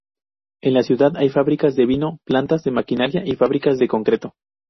En la ciudad hay fábricas de vino, plantas de maquinaria y fábricas de concreto.